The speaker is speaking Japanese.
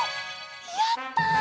やった！